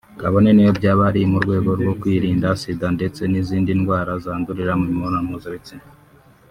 kabone niyo byaba ari mu rwego rwo kwirinda Sida ndetse n’izindi ndwara zandurirwa mu mibonano mpuzabitsina